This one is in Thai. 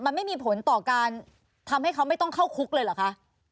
มันไม่มีผลต่อการทำให้เขาไม่ต้องเข้าคุกเลยเหรอคะ